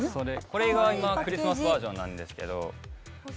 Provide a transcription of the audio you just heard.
これが今クリスマスバージョンなんですけどかわいいパッケージ